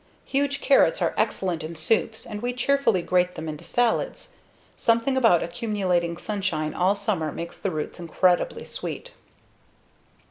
Huge carrots are excellent in soups and we cheerfully grate them into salads. Something about accumulating sunshine all summer makes the roots incredibly sweet.